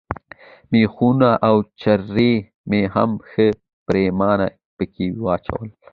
مېخونه او چرې مې هم ښه پرېمانه پکښې واچول.